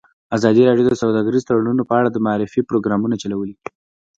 ازادي راډیو د سوداګریز تړونونه په اړه د معارفې پروګرامونه چلولي.